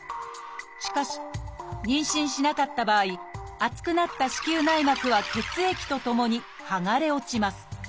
しかし妊娠しなかった場合厚くなった子宮内膜は血液とともにはがれ落ちます。